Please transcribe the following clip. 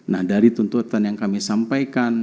nah dari tuntutan yang kami sampaikan